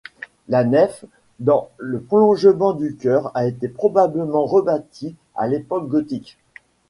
La nef dans le prolongement du chœur a été probablement rebâtie à l'époque gothique.